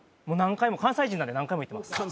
もう何回も関西人なんで何回も行ってます